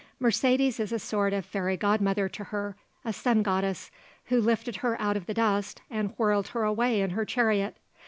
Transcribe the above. Mercedes is a sort of fairy godmother to her, a sun goddess, who lifted her out of the dust and whirled her away in her chariot.